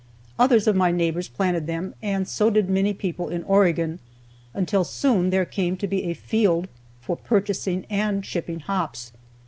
Others of my neighbors planted them, and so did many people in Oregon, until soon there came to be a field for purchasing and shipping hops.